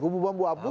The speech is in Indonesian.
kubu bambu apus